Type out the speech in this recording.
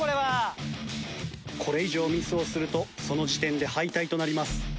これ以上ミスをするとその時点で敗退となります。